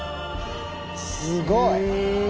すごい！